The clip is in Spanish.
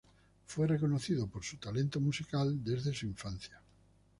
Fue conocido por su talento musical desde su infancia.